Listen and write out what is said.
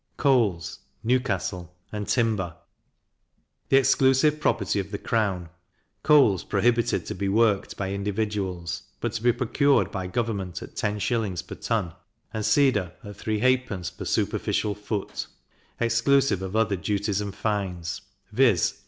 Coals (Newcastle) and Timber the exclusive property of the crown. Coals prohibited to be worked by individuals, but to be procured by government at ten shillings per ton, and cedar at three halfpence per superficial foot, exclusive of other duties and fines; _viz.